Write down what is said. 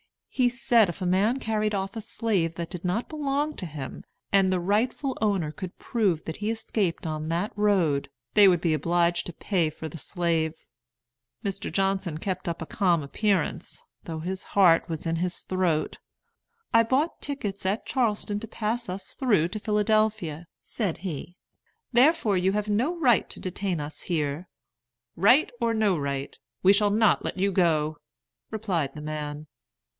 He said if a man carried off a slave that did not belong to him, and the rightful owner could prove that he escaped on that road, they would be obliged to pay for the slave. Mr. Johnson kept up a calm appearance, though his heart was in his throat. "I bought tickets at Charleston to pass us through to Philadelphia," said he; "therefore you have no right to detain us here." "Right or no right, we shall not let you go," replied the man.